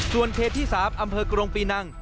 ส่วนเขตที่๓อำเภอกรงปีนัง